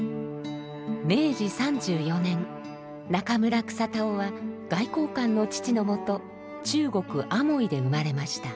明治３４年中村草田男は外交官の父のもと中国アモイで生まれました。